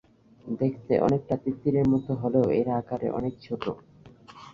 দেখতে অনেকটা তিতিরের মত হলেও এরা আকারে অনেক ছোট।